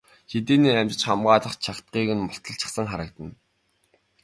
Хэдийнээ амжиж хамгаалах чагтыг нь мулталчихсан харагдана.